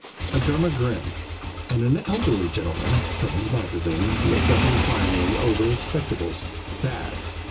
A drummer grinned; and an elderly gentleman, from his magazine, looked up inquiringly over his spectacles. "Bad!"